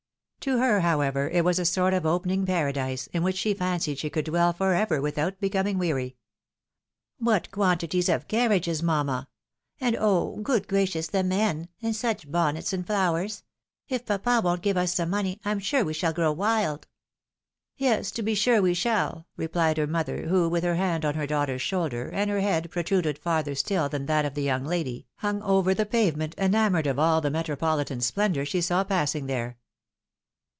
To her, however, it was a sort of opening paradise, in which she fancied she could dwell for ever without becoming weary. " What quantities of carriages, mamma ! And, oh ! good gracious, the men ! and such bonnets and flowers ! If papa won't give us some money, I am sure we shall grow wild." " Yes, to be sure we shall," replied her mother, who, with her hand on her daughter's shoulder, and her head protruded farther still than that of the young lady, hung over the pave ment, enamoured of all the metropolitan splendour she saw passing there.